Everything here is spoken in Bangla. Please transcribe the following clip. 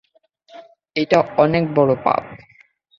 এটা অনেক বড় পাপ!